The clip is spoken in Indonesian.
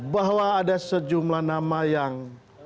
bahwa ada sejumlah nama yang